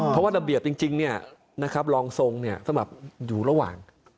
เพราะว่าระเบียบจริงรองทรงสำหรับอยู่ระหว่าง